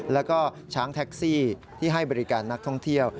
แล้วก็ช้างแท็กซี่ที่ให้บริการนักท่องเที่ยว